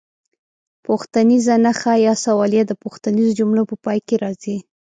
پوښتنیزه نښه یا سوالیه د پوښتنیزو جملو په پای کې راځي.